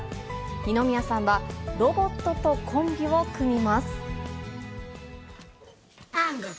二宮さんは、ロボットとコンビを組みます。